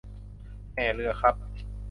แห่เรือครับ